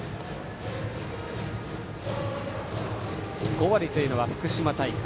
５割というのは福島大会。